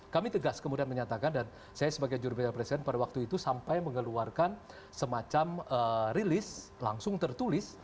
kami tegas kemudian menyatakan dan saya sebagai jurubicara presiden pada waktu itu sampai mengeluarkan semacam rilis langsung tertulis